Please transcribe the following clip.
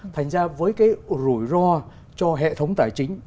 thành ra với cái rủi ro cho hệ thống tài chính